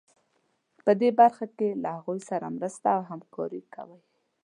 په دې برخه کې له هغوی سره مرسته او همکاري کوي.